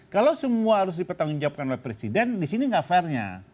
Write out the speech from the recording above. kalau semua harus dipertanggung jawab oleh presiden disini tidak fairnya